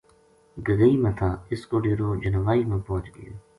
گگئی ما تھا اس کو ڈیرو جنوائی ما پوہچ گیو